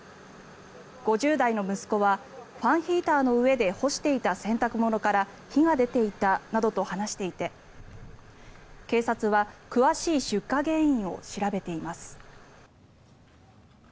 ５０代の息子はファンヒーターの上で干していた洗濯物から火が出ていたなどと話していて警察は詳しい出火原因を調べています。